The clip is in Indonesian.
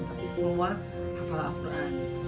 tapi fulllah hafal al quran